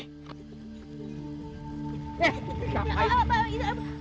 eh siapa ini